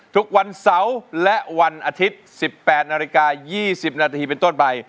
ทุกวันเสาร์และวันอาทิตย์๑๘นาฬิกา๒๐นาทีเป็นต้นไป